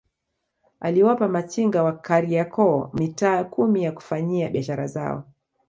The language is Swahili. Aliwapa machinga wa Kariakoo mitaa kumi ya kufanyia biashara zao